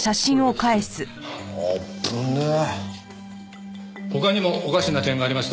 他にもおかしな点がありました。